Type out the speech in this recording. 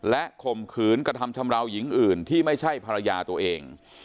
และข่มขืนกระทำชำราวหญิงอื่นที่ไม่ใช่ภรรยาตัวเอง